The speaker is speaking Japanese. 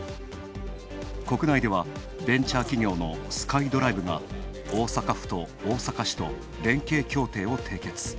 国内ではベンチャー企業のＳｋｙＤｒｉｖｅが大阪府と大阪市と連携協定を締結。